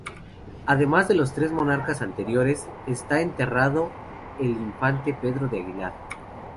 Además de los tres monarcas anteriores, está enterrado el infante Pedro de Aguilar.